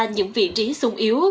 những vị trí sung yếu